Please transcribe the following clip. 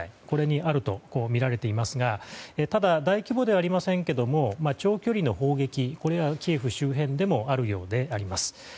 これにあるとみられていますがただ、大規模ではありませんけど長距離の砲撃がキエフ周辺でもあるようであります。